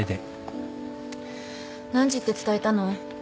何時って伝えたの？